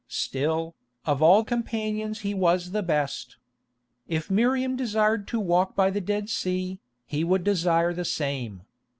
Still, of all companions he was the best. If Miriam desired to walk by the Dead Sea, he would desire the same.